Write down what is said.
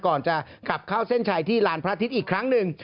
ก่อนจะขับเข้าเส้นชัยที่ลานพระอาทิตย์อีกครั้งหนึ่ง